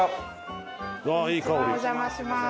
お邪魔します。